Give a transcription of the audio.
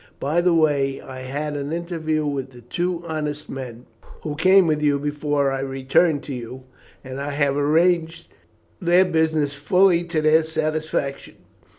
By the way, I had an interview with the two honest men who came with you before I returned to you, and have arranged their business fully to their satisfaction.